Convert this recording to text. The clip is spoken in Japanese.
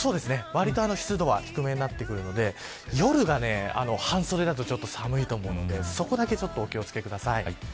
わりと湿度は低めなので夜は半袖だとちょっと寒いと思うのでそこだけ、お気を付けください。